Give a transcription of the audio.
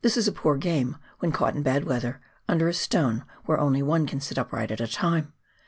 is a poor game wlieii caught in bad weather, under a stone where only one can sit upright at a time.